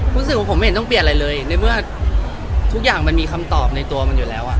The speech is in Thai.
รู้สึกว่าผมไม่เห็นต้องเปลี่ยนอะไรเลยในเมื่อทุกอย่างมันมีคำตอบในตัวมันอยู่แล้วอ่ะ